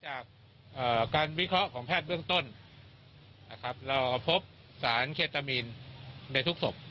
จากการวิเคราะห์ของแพทย์เบื้องต้นนะครับเราพบสารเคตามีนในทุกศพ